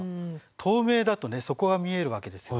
透明だと底が見えるわけですよね。